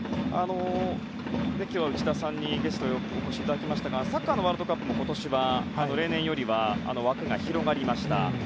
内田さんにゲストでお越しいただきましたがサッカーのワールドカップも今年は例年よりは枠が広がりました。